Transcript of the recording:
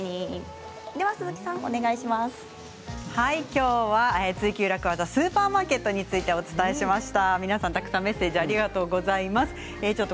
今日は「ツイＱ楽ワザ」スーパーマーケットについてお伝えしました。